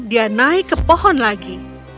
dia naik ke pohon lagi